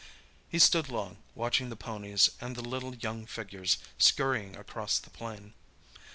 He stood long, watching the ponies and the little young figures scurrying across the plain.